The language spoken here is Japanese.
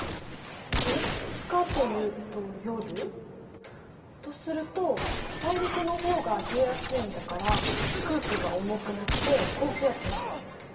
どっちかというと夜？とすると大陸の方が冷えやすいんだから空気が重くなって高気圧になるんだ。